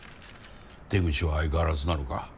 手口は相変わらずなのか。